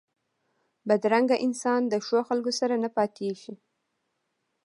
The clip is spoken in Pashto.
بدرنګه انسان د ښو خلکو سره نه پاتېږي